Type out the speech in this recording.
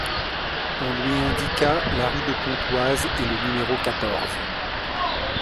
On lui indiqua la rue de Pontoise et le numéro quatorze.